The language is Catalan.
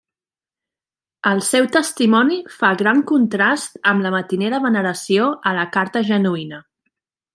El seu testimoni fa gran contrast amb la matinera veneració a la carta genuïna.